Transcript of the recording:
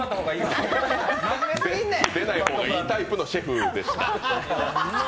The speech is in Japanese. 出ない方がいいタイプの方のシェフでした。